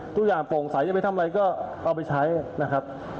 โปร่งใสจะไปทำอะไรก็เอาไปใช้นะครับ